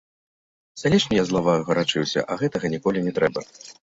Залішне я злаваў і гарачыўся, а гэтага ніколі не трэба.